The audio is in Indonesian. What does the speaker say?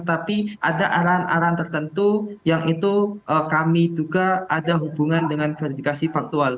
tapi ada arahan arahan tertentu yang itu kami duga ada hubungan dengan verifikasi faktual